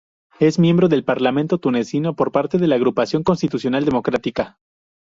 Es miembro del parlamento tunecino por parte de la Agrupación Constitucional Democrática.